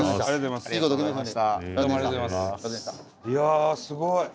いやすごい。